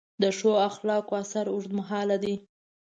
د ښو اخلاقو اثر اوږدمهاله دی.